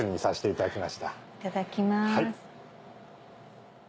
いただきます。